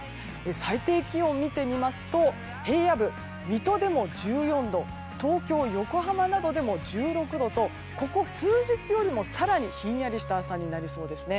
最低気温を見てみますと平野部、水戸でも１４度東京、横浜などでも１６度とここ数日よりも更にひんやりとした朝になりそうです。